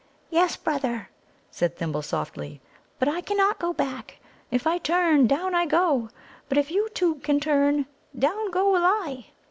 "Yes, brother," said Thimble softly; "but I cannot go back. If I turn, down I go. But if you two can turn, down go will I."